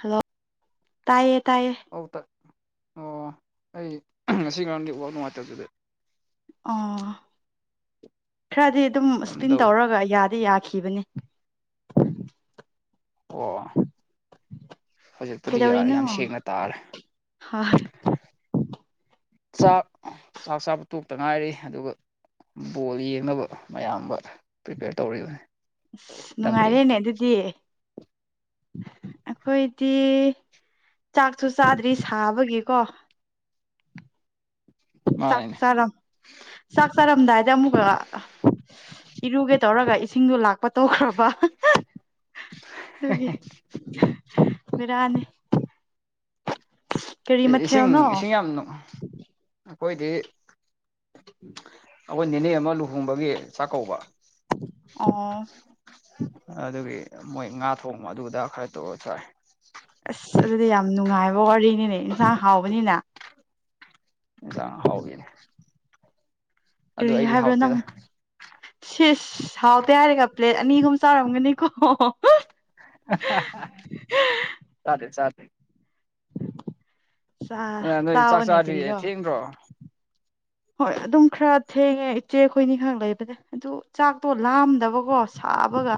hello ꯇꯥꯏꯌꯦ ꯇꯥꯏꯌꯦ ꯑꯧ ꯇ ꯑꯣ ꯑꯩ ꯉꯁꯤ ꯉꯔꯥꯡ ꯅꯦꯠꯁꯥꯔꯛ ꯅꯨꯡꯉꯥꯏꯇꯕꯗꯨꯗꯤ ꯑꯥ ꯈꯔꯗꯤ ꯑꯗꯨꯝ ꯀꯝ ꯏꯁꯄꯤꯟ ꯇꯧꯔꯦ ꯇꯧꯔꯒ ꯌꯥꯗꯤ ꯌꯥꯈꯤꯕꯅꯤ ꯑꯣ ꯍꯧꯖꯤꯛꯄꯨꯗꯤ ꯌꯥꯔꯦ ꯀꯩꯗꯧꯔꯤꯅꯣ ꯌꯥꯝ ꯍꯣꯏ ꯁꯦꯡꯅ ꯇꯥꯔꯦ ꯑꯁ ꯆꯥꯛ ꯆꯥꯛ ꯆꯥꯕ ꯇꯣꯛꯇ ꯉꯥꯏꯔꯤ ꯑꯗꯨꯒ ꯕꯣꯜ ꯌꯦꯡꯅꯕ ꯃꯌꯥꯝ ꯑꯃ ꯄ꯭ꯔꯤꯄꯦꯌꯔ ꯇꯧꯔꯤꯕꯅꯤ ꯑꯁ ꯅꯪꯗꯤ ꯅꯨꯡꯉꯥꯏꯔꯦꯅꯦ ꯑꯗꯨꯗꯤ ꯑꯩꯈꯣꯏꯗꯤ ꯆꯥꯛꯁꯨ ꯆꯥꯗ꯭ꯔꯤ ꯁꯥꯕꯒꯤꯀꯣ ꯆꯥꯛ ꯃꯥꯅꯤꯅꯦ ꯆꯥꯔꯣ ꯆꯥꯛ ꯆꯥꯔꯝꯗꯥꯏꯗ ꯑꯃꯨꯛꯀ ꯏꯔꯨꯒꯦ ꯇꯧꯔꯒ ꯏꯁꯤꯡꯗꯣ ꯂꯥꯛꯄ ꯇꯣꯛꯈ꯭ꯔꯕ ꯑꯗꯨꯒꯤ ꯕꯤꯔꯥꯅꯤ ꯏꯁꯤꯡ ꯏꯁꯤꯡ ꯌꯥꯝꯅ ꯑꯩꯈꯣꯏꯗꯤ ꯑꯩꯈꯣꯏ ꯅꯤꯅꯦ ꯑꯃ ꯂꯨꯍꯣꯡꯕꯒꯤ ꯆꯥꯛ ꯀꯧꯕ ꯑꯣ ꯑꯗꯨꯒꯤ ꯃꯣꯏ ꯉꯥ ꯊꯣꯡꯕ ꯑꯗꯨꯑꯗ ꯈꯔ ꯇꯧꯔ ꯆꯥꯏ ꯑꯁ ꯑꯗꯨꯗꯤ ꯌꯥꯝ ꯅꯨꯡꯉꯥꯏꯕ ꯋꯥꯔꯤꯅꯤꯅꯦ ꯏꯟꯁꯥꯡ ꯍꯥꯎꯕꯅꯤꯅ ꯢꯟꯁꯥꯡ ꯍꯥꯎꯕꯤꯅꯤ ꯑꯗꯨ ꯀꯔꯤ ꯑꯩꯗꯤ ꯍꯥꯏꯕ꯭ꯔꯣ ꯅꯪ ꯍꯥꯎꯇꯦꯗ ꯁꯤꯁ ꯍꯥꯎꯇ ꯍꯥꯏꯔꯦꯒ ꯄ꯭ꯂꯦꯠ ꯑꯅꯤ ꯑꯍꯨꯝ ꯆꯥꯔꯝꯒꯅꯤꯀꯣ ꯆꯥꯗꯦ ꯆꯥꯗꯦ ꯆꯥ ꯅꯣꯏ ꯆꯥꯛ ꯆꯥꯕꯅꯦ ꯆꯥꯗ꯭ꯔꯤ ꯀꯔꯤꯔꯣ ꯊꯦꯡꯗ꯭ꯔꯣ ꯍꯣꯏ ꯑꯗꯨꯝ ꯈꯔ ꯊꯦꯡꯉꯦ ꯏꯆꯦ ꯈꯣꯏꯅꯤ ꯈꯛ ꯂꯩꯕꯅꯦ ꯑꯗꯨ ꯆꯥꯛꯇꯣ ꯂꯥꯝꯗꯕꯀꯣ ꯑꯥꯕꯒ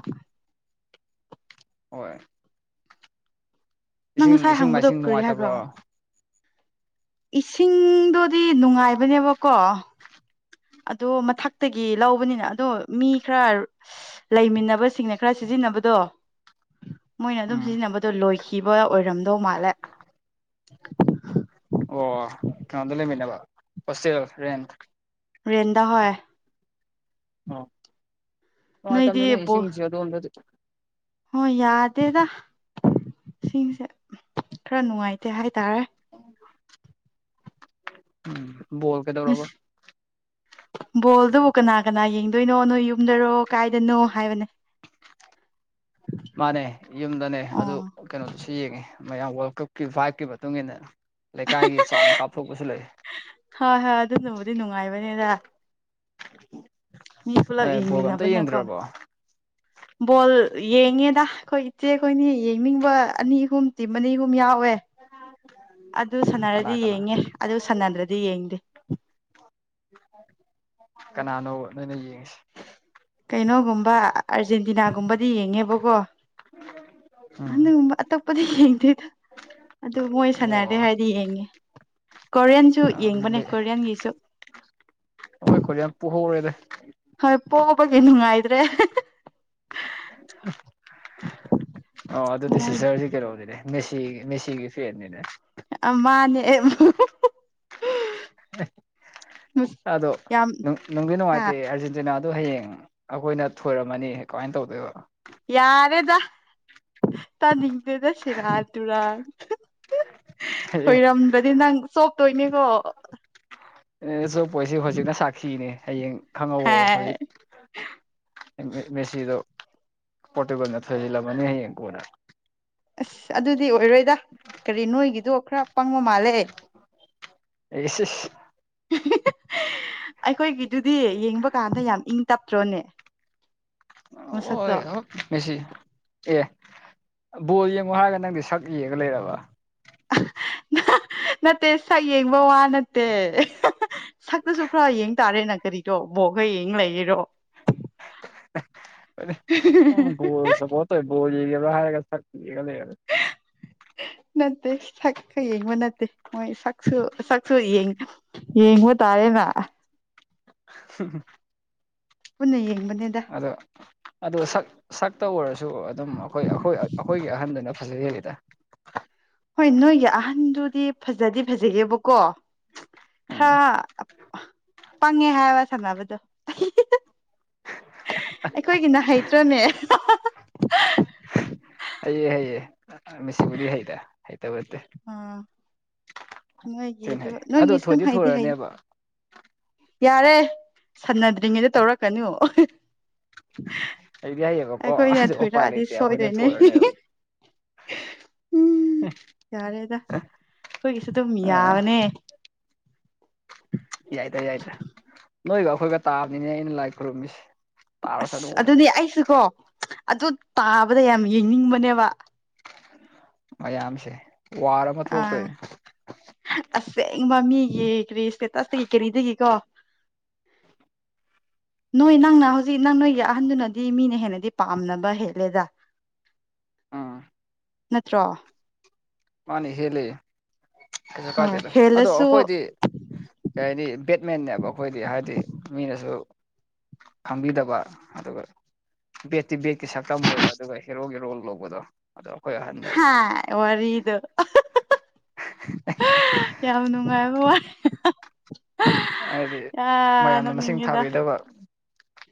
ꯍꯣꯏ ꯅꯪ ꯏꯁꯤꯡ ꯉꯁꯥꯏ ꯏꯁꯤꯡ ꯍꯪꯕꯗꯣ ꯃꯥꯏꯁꯤꯡ ꯅꯨꯡꯉꯥꯏꯇꯕ꯭ꯔꯣ ꯏꯁꯤꯡꯗꯣꯗꯤ ꯅꯨꯡꯉꯥꯏꯕꯅꯦꯕꯀꯣ ꯑꯣ ꯃꯊꯛꯇꯒꯤ ꯂꯧꯕꯅꯤꯅ ꯑꯗꯣ ꯃꯤ ꯈꯔ ꯂꯩꯃꯤꯟꯅꯕꯁꯤꯡꯅ ꯈꯔ ꯁꯤꯖꯤꯟꯅꯕꯗꯣ ꯃꯣꯏꯅ ꯑꯗꯨꯝ ꯎꯝ ꯁꯤꯖꯤꯟꯅꯕꯗꯣ ꯂꯣꯏꯈꯤꯕ ꯑꯣꯏꯔꯝꯅꯤ ꯑꯣ ꯃꯥꯂ ꯑꯣ ꯀꯩꯅꯣꯝꯗ ꯂꯩꯃꯤꯟꯅꯕ ꯍꯣꯁꯇꯦꯜ ꯔꯦꯟ ꯔꯦꯟꯗ ꯍ ꯑꯣ ꯅꯣꯏꯗꯤ ꯇꯝꯦꯅꯦ ꯕꯣꯜ ꯁꯤꯁꯤ ꯑ ꯑꯗꯨ ꯍꯣꯏ ꯌꯥꯗꯦꯗ ꯁꯤꯡꯁꯦ ꯈꯔ ꯅꯨꯡꯉꯥꯏꯇꯦ ꯍꯥꯏꯇꯥꯔꯦ ꯕꯣꯜ ꯑꯁ ꯀꯗꯧꯔꯣꯕ ꯕꯣꯜꯗꯨꯕꯨ ꯀꯅꯥ ꯀꯅꯥ ꯌꯦꯡꯗꯣꯏꯅꯣ ꯅꯣꯏ ꯌꯨꯝꯗꯔꯣ ꯀꯥꯏꯗꯅꯣ ꯍꯥꯏꯕꯅꯦ [unintelligible] ꯃꯥꯅꯦ ꯌꯨꯝꯗꯅꯦ ꯑꯗꯨ ꯑꯣ ꯀꯩꯅꯣꯗꯨꯁꯨ ꯌꯦꯡꯉꯤ ꯃꯌꯥꯝ ꯋꯥꯔꯜ ꯀꯞꯀꯤ ꯚꯥꯏꯞꯀꯤ ꯃꯇꯨꯡ ꯏꯟꯅ ꯂꯩꯀꯥꯏꯒꯤ ꯆꯥꯎꯅ ꯀꯥꯞꯊꯣꯛꯄꯁꯨ ꯂꯩ ꯍꯣꯏ ꯍꯣꯏ ꯑꯗꯨꯅꯕꯨꯗꯤ ꯅꯨꯡꯉꯥꯏꯕꯅꯦꯗ ꯃꯤ ꯄꯨꯂꯞ ꯑꯦ ꯕꯣꯜ ꯑꯝꯇ ꯌꯦꯡꯃꯤꯟꯅꯕꯅꯀꯣ ꯌꯦꯡꯗ꯭ꯔꯕꯣ ꯕꯣꯜ ꯌꯦꯡꯉꯦꯗ ꯑꯩꯈꯣꯏ ꯏꯆꯦ ꯑꯩꯈꯣꯏꯅꯤ ꯌꯦꯡꯅꯤꯡꯕ ꯑꯅꯤ ꯑꯍꯨꯝ ꯇꯤꯝ ꯑꯅꯤ ꯑꯍꯨꯝ ꯌꯥꯎꯋ ꯍꯋꯦ ꯑꯗꯨ ꯀꯅꯥ ꯁꯅꯔꯗꯤ ꯀꯅꯥ ꯌꯦꯡꯉꯦ ꯑꯗꯨ ꯁꯅꯗ꯭ꯔꯗꯤ ꯌꯦꯡꯗꯦ ꯀꯅꯥꯅꯣ ꯅꯅ ꯀꯩꯅꯣꯒꯨꯝꯕ ꯑꯥꯔꯖꯦꯟꯇꯤꯅꯥꯒꯨꯝꯕꯗꯤ ꯌꯦꯡꯉꯦꯕꯀꯣ ꯎꯝ ꯑꯨꯝ ꯇꯞꯄꯗꯤ ꯌꯦ ꯇꯗ ꯑꯗꯨ ꯃꯣꯏ ꯁꯥꯟꯅꯔꯦ ꯑꯣ ꯍꯥꯏꯗꯤ ꯌꯦꯡꯉꯦ ꯀꯣꯔꯤꯌꯟꯁꯨ ꯌꯦꯡꯕꯅꯦ ꯀꯣꯔꯤꯌꯟꯒꯤꯁꯨ ꯍꯣꯏꯈꯣ ꯌꯥꯝ ꯄꯨꯍꯧꯔꯣꯏꯗ ꯍꯣꯏ ꯄꯣꯛꯕꯒꯤ ꯅꯨꯡꯉꯥꯏꯇ꯭ꯔꯦ ꯑꯣ ꯑꯗꯨꯗꯤ ꯃꯣꯏ ꯁꯤꯖꯔꯁꯤ ꯀꯩꯔꯧꯗꯤꯅꯦ ꯃꯦꯁꯤ ꯃꯦꯁꯤꯒꯤ ꯐꯦꯟꯅꯤꯅꯦ ꯑ ꯃꯥꯅꯦ ꯑꯣ ꯌꯥꯝ ꯍꯥ [unintelligible] ꯑꯔꯖꯦꯟꯇꯤꯅꯥ ꯑꯗꯣ ꯍꯌꯦꯡ ꯑꯩꯈꯣꯏꯅ ꯊꯣꯏꯔꯝꯃꯅꯤ ꯀꯃꯥꯏꯅ ꯇꯧꯗꯣꯏꯕ ꯌꯥꯔꯦꯗꯥ ꯇꯅꯤꯡ ꯑꯗꯨꯗ ꯁꯤꯔꯥ ꯇꯨꯔꯥꯟ ꯍꯌꯦꯡ ꯊꯣꯏꯔꯝꯕꯗꯤ ꯅꯪ ꯁꯣ ꯇꯣꯏꯅꯦꯀꯣ ꯑꯦꯆꯣꯄꯣꯏꯁꯤ ꯍꯧꯖꯤꯛꯅ ꯁꯥꯈꯤꯅꯦ ꯍꯌꯦꯡ ꯈꯪꯍꯧꯕꯣ ꯍꯥꯏ ꯍꯧꯖꯤꯛ ꯃꯦꯁꯤꯗꯣ ꯄꯣꯣꯔꯇꯨꯒꯜ ꯅ ꯊꯖꯤꯂꯕꯅꯤ ꯍꯌꯦ ꯌꯦꯡ ꯀꯅ ꯑꯁ ꯑꯗꯨꯗꯤ ꯑꯣꯏꯔꯣꯏꯗ ꯀꯔꯤ ꯅꯣꯏꯒꯤꯗꯣ ꯈꯔ ꯄꯪꯕ ꯃꯥꯜꯂꯦꯦ ꯒꯤ ꯑꯩꯈꯣꯏꯒꯤꯗꯨꯗꯤ ꯌꯦꯡꯕ ꯀꯥꯟꯗ ꯌꯥꯝ ꯏꯪ ꯇꯞꯇ꯭ꯔꯣꯅꯦ ꯃꯁꯛꯇꯣ ꯑꯣ ꯁꯤ ꯑꯦ ꯕꯣꯜ ꯌꯦꯡꯉꯣ ꯍꯥꯏꯔꯒ ꯅꯪꯗꯤ ꯁꯛ ꯌꯦꯒ ꯂꯩꯔꯕ ꯅꯠꯇꯦ ꯁꯛ ꯌꯦꯡꯕ ꯋꯥ ꯅꯠꯇꯦ ꯁꯛꯇꯁꯨ ꯈꯔ ꯌꯦꯡ ꯇꯥꯔꯦ ꯅꯪ ꯀꯔꯤꯗꯣ ꯕꯣꯛꯒ ꯌꯦꯡ ꯂꯩꯔꯤꯔꯣ ꯎꯣꯜ ꯁꯄꯣ ꯣꯜ ꯍꯥꯏ ꯁꯒ ꯂꯩ ꯌꯥ ꯅꯠꯇꯦ ꯁꯛꯀ ꯌꯦꯡꯕ ꯅꯠꯇꯦ ꯃꯣꯏ ꯁꯛꯁꯨ ꯁꯛꯁꯨ ꯌꯦꯡꯕ ꯇꯥꯔꯦ ꯃ [unintelligible] ꯅ ꯑꯗ ꯑꯗ ꯁ ꯁ ꯈꯛꯇ ꯑꯣꯏꯔꯁꯨ ꯑꯗꯨꯝ ꯑꯩꯈꯣꯏꯈꯣꯏ ꯑꯩꯈꯣꯏꯒꯤ ꯑꯍꯟꯗꯨꯅ ꯐꯖꯍꯦꯜꯂꯤꯗ ꯍꯣꯏ ꯅꯣꯏꯒꯤ ꯑꯍꯟꯗꯨꯗꯤ ꯐꯖꯗꯤ ꯐꯖꯒꯦꯕꯀꯣ ꯎꯝ ꯈꯔ ꯄꯪꯉꯦ ꯍꯥꯏꯕ ꯁꯥꯟꯅꯕꯗꯣ ꯑꯩꯈꯣꯏꯒꯤꯅ ꯍꯩꯇ꯭ꯔꯅꯦ ꯍꯌꯦꯦ ꯍꯌꯦꯦ ꯃꯤꯁꯤꯕꯨꯗꯤ ꯍꯩꯇ ꯍꯩꯇꯕꯠꯇꯦ ꯅꯣꯏꯒꯤ ꯊꯤꯅ ꯑꯗꯨ ꯍꯩ ꯑꯗꯣ ꯅꯣꯏꯒꯤꯁꯨ ꯑꯗꯨꯝ ꯊꯣꯏꯗꯤ ꯍꯥꯏꯗꯤ ꯍꯥꯏꯗꯤ ꯊꯣꯏꯔꯅꯦꯕ ꯌꯥꯔꯦ ꯁꯟꯅꯗ꯭ꯔꯤꯉꯩꯗ ꯇꯧꯔꯛꯀꯅꯨ ꯍꯩꯗꯤ ꯍꯩꯌꯦꯕꯀꯣ ꯑꯩꯈꯣꯏꯅ ꯑꯗꯣ ꯎꯄꯥꯏ ꯊꯣꯏꯔꯛꯑꯗꯤ ꯂꯩꯇꯦ ꯑꯩꯈꯣꯏꯅ ꯁꯣꯏꯗꯣꯏꯅꯦ ꯊꯣꯏꯔꯅꯦꯕ ꯎꯝ ꯌꯥꯔꯦꯗ ꯑꯩꯈꯣꯏꯒꯤꯁꯨ ꯑꯗꯨꯝ ꯑ ꯌꯥꯕꯅꯦ ꯌꯥꯏꯗ ꯌꯥꯏꯗ ꯅꯣꯏꯒ ꯑꯩꯈꯣꯏꯒ ꯇꯥꯕꯅꯤꯅꯦ ꯑꯩꯅ ꯂꯥꯏ ꯈꯨꯔꯨꯝꯝꯃꯤꯁꯦ ꯑꯁ ꯑꯗꯨꯗꯤ ꯑꯩꯁꯨꯀꯣ ꯑꯗꯨ ꯇꯥꯕꯗ ꯌꯥꯝ ꯌꯦꯡꯅꯤꯡꯕꯅꯦꯕ ꯃꯌꯥꯝꯝꯁꯦ ꯑ ꯑꯁꯦ ꯃꯃꯤ ꯀꯔꯤꯁꯦ ꯇꯁꯇꯒ ꯀꯔꯤꯗꯗꯒꯤꯀꯣ [unintelligible] ꯅꯣꯏ ꯅꯪꯅ ꯍꯧꯖꯤꯛ ꯅꯪ ꯅꯣꯏꯒꯤ ꯑꯍꯟꯗꯨꯅꯗꯤ ꯃꯤꯅ ꯍꯦꯟꯅꯗꯤ ꯄꯥꯝꯅꯕ ꯍꯦꯜꯂꯦꯗ [unintelligible] ꯅꯠꯇ꯭ꯔꯣ ꯃꯥꯅꯤ ꯍꯦꯜꯂꯤ ꯀꯩꯁꯨ ꯍꯣꯏ ꯀꯥꯗꯦꯗ ꯑꯗꯣ ꯍꯦꯜꯂꯁꯨ ꯑꯩꯈꯣꯏꯗꯤ ꯀꯩ ꯍꯥꯏꯅꯤ ꯕꯦꯠꯃꯦꯟꯅꯦꯕ ꯑꯩꯈꯣꯏꯗꯤ ꯍꯥꯏꯗꯤ ꯃꯤꯅꯁꯨ ꯈꯪꯕꯤꯗꯕ ꯑꯗꯨꯒ ꯕꯦꯠꯇꯤ ꯕꯦꯒꯀꯤ ꯁꯛꯇꯝ ꯑꯣꯏ ꯑꯗꯨꯒ ꯍꯦꯔꯣꯒꯤ ꯔꯣꯜ ꯂꯧꯕꯗꯣ ꯑꯗꯣ ꯑꯩꯈꯣꯏ ꯑꯍꯟꯅꯦꯕ ꯍꯥ ꯋꯥꯔꯤꯔꯗ ꯀꯅꯅꯨꯡꯉꯥꯏ ꯋꯥ ꯍꯥꯏꯗꯤ ꯃꯌꯥꯝꯅ ꯃꯁꯤꯡ ꯅꯣꯛꯅꯤꯡꯉꯤꯗ ꯊꯥꯕꯤꯗꯕ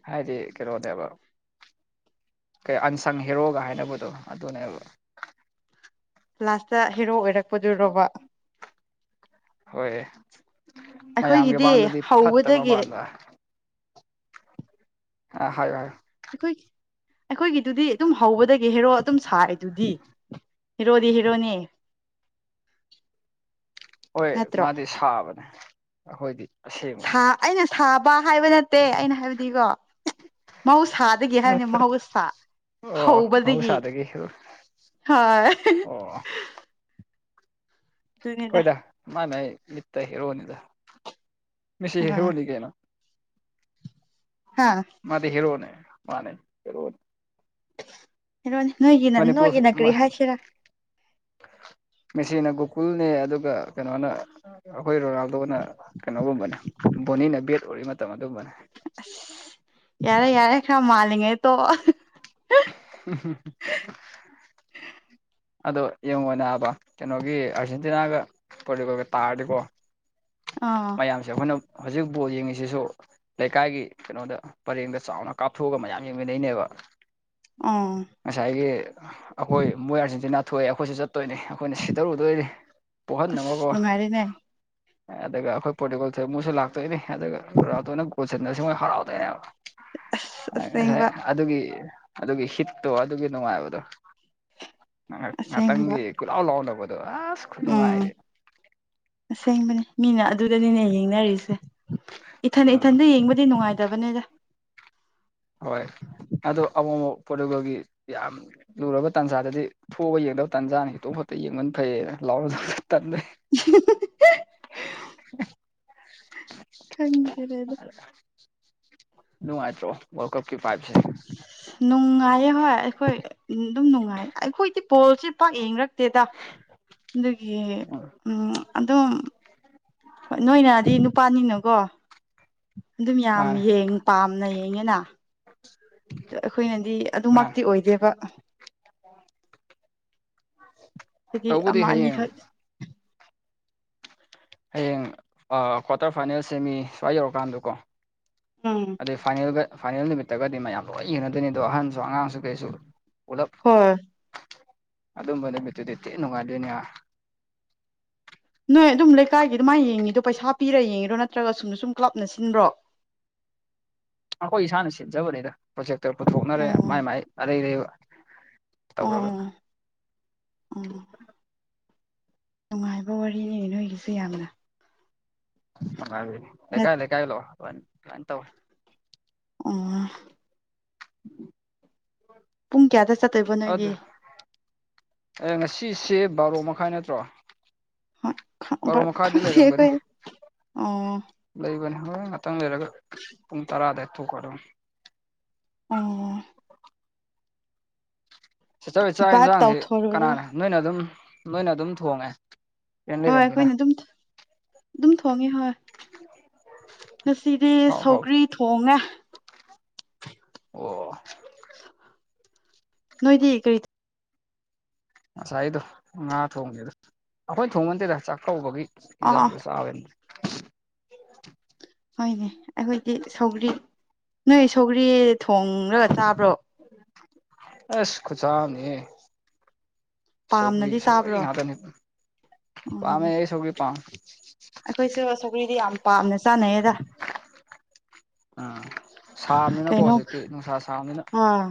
ꯍꯥꯏꯗꯤ ꯀꯔꯣꯗꯦꯕ ꯀꯩ ꯑꯟꯁꯪ ꯍꯦꯔꯣꯒ ꯍꯥꯏꯅꯕꯗꯣ ꯑꯗꯨꯅꯦꯕ ꯂꯥꯁꯇ ꯍꯦꯔꯣ ꯑꯣꯏꯔꯛꯄꯗꯨꯔꯣꯔꯕ ꯍꯣꯏ ꯃꯌꯥꯝꯒꯤ ꯑꯩꯈꯣꯏꯒꯤꯗꯤ ꯃꯃꯥꯡꯗꯗꯤ ꯐꯠꯇꯕ ꯍꯧꯕꯗꯒꯤ ꯃꯥꯜꯂ ꯑ ꯍꯥꯏ ꯍ ꯑꯩꯈꯣꯏ ꯑꯩꯈꯣꯏꯒꯤꯗꯨꯗꯤ ꯑꯗꯨꯝ ꯍꯒꯗꯒꯦ ꯍꯔꯣ ꯑꯗꯨꯝ ꯁꯥꯏꯑꯦ ꯑꯗꯨꯗꯤ ꯍꯤꯔꯣꯗꯤ ꯍꯤꯔꯣꯅꯤ ꯍꯣꯏ ꯃꯥꯗꯤ ꯁꯥꯕꯅꯦ ꯑꯩꯈꯣꯏꯗꯤ ꯑꯁꯦꯡꯕꯅꯤ ꯕꯥ ꯍꯥꯏꯕ ꯅꯠꯇꯦ ꯑꯩꯅ ꯍꯥꯏꯕꯗꯤꯀꯣ ꯃꯍꯧꯁꯥꯗꯒꯤ ꯍꯥꯏꯔꯅꯤ ꯃꯍꯧꯁꯥ ꯑꯣ ꯍꯧꯕꯗꯒꯤ ꯃꯍꯧꯁꯥꯗꯒꯤ ꯍꯦꯔꯣ ꯍꯣꯏ ꯑꯣ ꯑꯗꯨꯅꯤꯗ ꯍꯣꯏꯗ ꯃꯥꯥꯏ ꯃꯥꯏ ꯂꯤ ꯇꯔꯣꯅꯤꯗ ꯑ ꯃꯤꯁꯤꯦꯕꯣꯅꯤ ꯀꯦꯅ ꯍꯥ ꯃꯥꯗꯤ ꯍꯤꯔꯅꯦ ꯃꯥꯅꯦ ꯍꯤꯔꯅꯦ ꯍꯂꯣꯅꯦ ꯅꯣꯏꯒꯤ ꯅꯣꯏꯒꯤ ꯃꯅꯤꯄꯨꯔ ꯅꯈ꯭ꯔꯤ ꯍꯥꯏꯁꯤꯔꯥ [unintelligible] ꯃꯦꯁꯤꯅ ꯒꯣꯀꯨꯜꯅꯦ ꯑꯗꯨꯒ ꯀꯩꯅꯣꯅ ꯑꯩꯈꯣꯏ ꯔꯣꯅꯥꯜꯗꯣꯅ ꯀꯩꯅꯣꯒꯨꯝꯕꯅꯦ ꯕꯣꯅꯤꯅ ꯕꯦꯠ ꯑꯣꯏꯔꯤ ꯃꯇꯝ ꯑꯗꯨꯝꯕꯅꯦ ꯑꯁ ꯌꯥꯔꯦ ꯌꯥꯔꯦ ꯈꯔ ꯃꯥꯜꯂꯤꯉꯦꯣ ꯎ ꯑꯗꯣ ꯌꯦꯡꯉꯣꯅꯦ ꯍꯥꯏꯕ ꯀꯩꯅꯣꯒꯤ ꯑꯥꯔꯖꯦꯟꯇꯤꯅꯥꯒ ꯄꯣꯔꯇꯨꯒꯣꯜꯒ ꯇꯥꯔꯗꯤꯀꯣ ꯑꯥ ꯃꯌꯥꯝꯁꯦ ꯑꯩꯈꯣꯏꯅ ꯍꯧꯖꯤꯛ ꯐꯨꯠꯕꯣꯜ ꯌꯦꯡꯉꯤꯁꯤꯁꯨ ꯂꯩꯀꯥꯏꯒꯤ ꯀꯩꯅꯣꯗ ꯄꯔꯦꯡꯗ ꯆꯥꯎꯅ ꯀꯥꯞꯊꯣꯛꯑꯒ ꯃꯌꯥꯝ ꯌꯦꯡꯃꯤꯟꯅꯩꯅꯦꯕ ꯑꯥ ꯉꯁꯥꯏꯒꯤ ꯑꯩꯈꯣꯏ ꯃꯣꯏ ꯑꯥꯔꯖꯦꯟꯇꯤꯅꯥ ꯊꯣꯛꯑꯦ ꯑꯩꯈꯣꯏꯁꯨ ꯆꯠ ꯇꯣꯏꯅꯤ ꯑꯩꯈꯣꯏꯅ ꯁꯤꯗꯔꯨꯗꯣꯏꯅꯤ ꯑꯁ ꯄꯣꯛꯍꯟꯅꯅꯕꯀꯣ ꯅꯨꯡꯉꯥꯏꯔꯦꯅꯦ ꯑꯗꯨꯒ ꯑꯩꯈꯣꯏ ꯄꯣꯔꯇꯤꯒꯣꯜ ꯃꯣꯏꯁꯨ ꯂꯥꯛꯇꯣꯏꯅꯦ ꯑꯗꯨꯒꯅ ꯒꯣꯜ ꯁꯟꯁ ꯃꯣꯏ ꯍꯔꯥꯎꯗꯣꯏꯅꯦꯕ ꯑꯁ ꯉꯁꯥꯏ ꯑꯁꯦꯡꯕ ꯑꯗꯨꯒꯤ ꯑꯗꯨꯒꯤ ꯍꯤꯠꯇꯣ ꯑꯗꯨꯒꯤ ꯅꯨꯡꯉꯥꯏꯕꯗꯣ ꯑꯁꯦꯡꯕ ꯉꯥꯛꯇꯪꯒꯤ ꯈꯨꯠꯂꯥꯎ ꯂꯥꯎꯅꯕꯗꯣ ꯑꯁ ꯎꯝ ꯈꯨꯅꯨꯡꯉꯥꯏꯗꯤ ꯑꯁꯦꯡꯕꯅꯦ ꯃꯤ ꯃꯤꯅ ꯑꯗꯨꯗꯅꯤꯅꯦ ꯌꯦꯡꯅꯔꯤꯁꯦ ꯏꯊꯟ ꯎꯝ ꯏꯊꯟꯗ ꯌꯦꯡꯕꯗꯤ ꯅꯨꯡꯉꯥꯏꯇꯕꯅꯤꯗ ꯍꯣꯏ ꯑꯗꯣ ꯑꯃꯛꯕ ꯄꯣꯠꯇꯒꯤ ꯌꯥꯝ ꯂꯨꯔꯕ ꯇꯥꯟꯖꯥꯗꯗꯤ ꯊꯣꯛꯑꯒ ꯌꯦꯡꯗꯕ ꯇꯥꯟꯖꯥꯅꯤ ꯍꯈꯤꯛꯇꯣꯛ ꯐ ꯑꯌꯨꯛ ꯉꯟ ꯐꯩꯌꯦꯅ ꯂꯥꯎ [inaudible] ꯈꯪꯖꯔꯦꯗ ꯅꯅꯨꯡ ꯃꯥꯇ꯭ꯔꯣ ꯀ ꯀ ꯄꯥꯏ ꯅꯨꯡꯉꯥꯏꯌꯦ ꯍꯣꯏ ꯑꯩꯈꯣꯏ ꯑꯗꯨꯝ ꯅꯨꯡꯉꯥꯏꯌꯦ ꯑꯩꯈꯣꯏꯗꯤ ꯄꯣꯜꯁꯦ ꯄꯥꯛ ꯌꯦꯡꯔꯛꯇꯦꯗ ꯑꯗꯨꯒꯤ ꯎꯝ ꯎ ꯑꯗꯨꯝ ꯍꯣꯏ ꯅꯣꯏꯅꯗꯤ ꯅꯨꯄꯥꯅꯤꯅꯀꯣ ꯑꯗꯨꯝ ꯌꯥꯝ ꯃꯥꯅꯦ ꯌꯦꯡ ꯄꯥꯝꯅꯩꯌꯦ ꯑꯦꯉꯅ ꯑꯩꯈꯣꯏꯅꯗꯤ ꯑꯗꯨꯃꯛꯇꯤ ꯑꯣꯏꯗꯦꯕ ꯑꯣ ꯑꯗꯒꯤ ꯑꯃ ꯍꯌꯦꯡ ꯑꯅꯤꯈꯛ ꯍꯌꯦꯡ ꯀ꯭ꯋꯥꯇꯔ ꯐꯥꯏꯅꯦꯜꯁꯦ ꯃꯤ ꯁ꯭ꯋꯥꯏ ꯌꯧꯔꯀꯥꯟꯗꯀꯣ ꯎꯝ ꯑꯗꯨꯗꯩ ꯐꯥꯏꯅꯦꯜꯒ ꯐꯥꯏꯅꯦꯜ ꯅꯨꯃꯤꯠꯇꯒꯗꯤ ꯃꯌꯥꯝ ꯂꯣꯏ ꯌꯦꯡꯅꯗꯣꯏꯅꯤ ꯑꯗꯣ ꯑꯍꯟꯁꯨ ꯑꯉꯥꯡꯁꯨ ꯀꯁ ꯍꯣꯏ ꯑꯗꯨꯝꯕ ꯅꯨ ꯄꯠꯇꯨꯗꯤꯠꯇꯦ ꯅꯨꯡꯉꯥꯏꯗꯣꯏꯅꯦ ꯅꯣꯏ ꯑꯗꯨꯝ ꯂꯩꯀꯥꯏꯒꯤ ꯑꯗꯨꯃꯥꯏ ꯌꯦꯡꯉꯤꯗꯣ ꯄꯩꯁꯥ ꯄꯤꯔ ꯌꯦꯡꯉꯤꯔꯣ ꯅꯠꯇ꯭ꯔꯒ ꯁꯨꯝꯗ ꯁꯨꯝ ꯀ꯭ꯂꯕꯅ ꯁꯤꯟꯕ꯭ꯔꯣ ꯑꯩꯈꯣꯏ ꯏꯁꯥꯅ ꯁꯤꯟꯖꯕꯅꯤꯗ ꯄ꯭ꯔꯣꯖꯦꯛꯇꯔ ꯄꯨꯊꯣꯛꯅꯔꯦ ꯑꯣ ꯃꯥꯏ ꯃꯥꯏ ꯑꯗꯩ ꯑꯗꯩ ꯇꯔ ꯑꯣ ꯑꯣ ꯅꯨꯡꯉꯥꯏꯕ ꯋꯥꯔꯤꯅꯤ ꯅꯣꯏꯒꯤꯁꯨ ꯌꯥꯝꯅ ꯀ ꯂ ꯀꯥꯏ ꯂ ꯇꯧ ꯑꯣ ꯄꯨꯡ ꯀꯌꯥꯗ ꯆꯠꯇꯣꯏꯕꯣ ꯅꯣꯏꯒꯤ ꯑꯦ ꯉꯁꯤꯁꯦ ꯕꯥꯔꯣ ꯃꯈꯥꯏ ꯅꯠꯇ꯭ꯔꯣ ꯈꯪꯗꯦ ꯄꯔꯣ ꯃꯈꯥꯗꯤ ꯂꯩꯔꯝꯒꯅꯤ ꯑꯩꯈꯣꯏ ꯑꯣ ꯂꯩꯒꯅꯤ ꯍꯣꯏ ꯉꯥꯛꯇꯪ ꯂꯩꯔꯒ ꯄꯨꯡ ꯇꯔꯥꯗ ꯊꯣꯛꯈꯣ ꯑꯗꯨꯝ ꯑꯣ ꯁꯤꯆꯧ ꯆꯥꯛ ꯚꯥꯏꯞ ꯌꯦꯟꯁꯥꯡꯁꯤ ꯇꯧꯊꯣꯔꯨꯔꯣ ꯀꯅꯥꯅꯦ ꯅꯣꯏꯅ ꯑꯗꯨꯝ ꯅꯣꯏꯅ ꯑꯗꯨꯝ ꯊꯣꯡꯉꯦ ꯔꯦꯟ ꯍꯣꯏ ꯂꯩꯔꯝꯅꯤꯅ ꯑꯩꯈꯣꯏꯅ ꯑꯗꯨꯝ ꯑꯗꯨꯝ ꯊꯣꯡꯉꯦ ꯍꯣꯏ ꯉꯁꯤꯗꯤ ꯍꯥꯎ ꯍꯥꯎ ꯁꯧꯒ꯭ꯔꯤ ꯊꯣꯡꯉꯦ ꯑꯣ ꯅꯣꯏꯗꯤ ꯀꯔꯤ ꯉꯁꯥꯏꯒꯤꯗꯣ ꯉꯥ ꯊꯣꯡꯕꯅꯤ ꯑꯗ ꯑꯩꯈꯣꯏꯅ ꯊꯣꯡꯉꯗꯦꯗ ꯆꯥꯛꯀꯧꯕꯒꯤ ꯏ ꯑꯥ ꯑꯥ ꯁꯥ ꯍꯣꯏꯅꯦ ꯑꯩꯈꯣꯏꯗꯤ ꯁꯧꯒ꯭ꯔꯤ ꯅꯣꯏ ꯁꯧꯒ꯭ꯔꯤ ꯊꯣꯡꯡꯂꯒ ꯆꯥꯕ ꯑꯁ ꯈꯨꯁꯨꯅꯤ ꯁꯧꯒꯔꯤ ꯄꯥꯝꯅꯗꯤ ꯁꯧꯔꯤ ꯆꯥꯕ꯭ꯔꯣ ꯉꯍꯇꯅꯤ ꯎꯝ ꯄꯥꯝꯃꯦ ꯁꯧꯒꯔꯤ ꯄꯥꯝ ꯑꯩꯈꯣꯏꯁꯨ ꯁꯧꯒ꯭ꯔꯤꯗꯤ ꯌꯥꯝ ꯄꯥꯝꯅ ꯆꯥꯅꯩꯌꯦꯗ ꯑꯥ ꯁꯥꯕꯅꯤꯅꯀꯣ ꯀꯩꯅꯣ ꯍꯧꯖꯤꯛꯇꯤ ꯅꯨꯡꯁꯥ ꯁꯥꯝꯅꯤꯅ ꯍꯣꯏ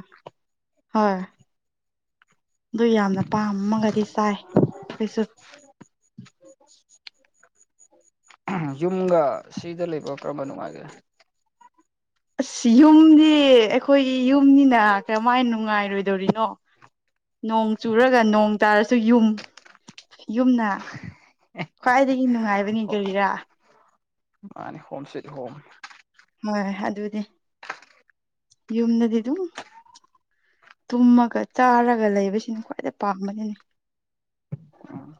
ꯍꯣꯏ ꯑꯗꯨ ꯌꯥꯝꯅ ꯄꯥꯝꯃꯒꯗꯤ ꯆꯥꯏ ꯑꯩꯩꯁꯨ [inaudible] ꯌꯨꯝꯒ ꯁꯤꯗ ꯂꯩꯕ ꯀꯔꯝꯕ ꯅꯨꯡꯉꯥꯏꯒꯦ ꯑꯁ ꯌꯨꯝꯗꯤ ꯑꯩꯈꯣꯏꯒꯤ ꯌꯨꯝꯅꯤꯅ ꯀꯃꯥꯏꯅ ꯅꯨꯡꯉꯥꯏꯔꯣꯏꯗꯧꯔꯤꯅꯣ ꯅꯣꯡ ꯆꯨꯔꯒ ꯅꯣꯡ ꯇꯥꯔꯁꯨ ꯌꯨꯝ ꯌꯨꯝꯅ ꯈ꯭ꯋꯥꯏꯗꯒꯤ ꯅꯨꯡꯉꯥꯏꯕꯅꯤ ꯍꯣ ꯀꯔꯤꯔꯥ ꯃꯥꯅꯤ ꯍꯣꯝ ꯁꯦꯠ ꯍꯣꯝ ꯍꯣꯏ ꯑꯗꯨꯗꯤ ꯌꯨꯝꯗꯗꯤ ꯑꯗꯨꯝ ꯇꯨꯝꯃꯒ ꯆꯥꯔꯒ ꯂꯩꯕꯁꯤꯅ ꯈ꯭ꯋꯥꯏꯗꯩ ꯄꯥꯝꯕꯗꯨꯅꯤ ꯎꯝ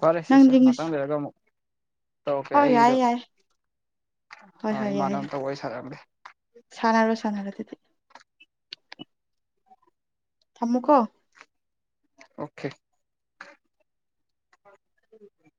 ꯐꯔꯦ ꯁꯦ ꯁꯦ ꯅꯪꯗꯤ ꯉꯁꯤ ꯃꯥꯛꯇꯪ ꯂꯩꯔꯒ ꯑꯃꯨꯛ ꯇꯧꯔꯛꯀꯦ ꯍꯣꯏ ꯌꯥꯏ ꯑꯩꯗꯣ ꯌꯥꯏ ꯍꯣꯏ ꯑ ꯍꯣꯏ ꯏꯃꯅ ꯌꯥꯏ ꯌꯥꯏ ꯑꯃꯇ ꯑꯣꯏꯏ ꯁꯥꯔꯂꯤ ꯁꯥꯟꯅꯔꯣ ꯁꯥꯟꯅꯔꯣ ꯑꯗꯨꯗꯤ ꯊꯃꯨꯀ ꯑꯣꯀꯦ ꯎꯝ